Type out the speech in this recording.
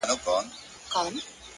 مثبت فکرونه روښانه پرېکړې زېږوي,